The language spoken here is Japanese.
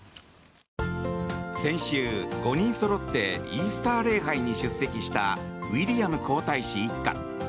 先週、５人そろってイースター礼拝に出席したウィリアム皇太子一家。